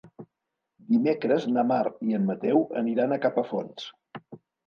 Dimecres na Mar i en Mateu aniran a Capafonts.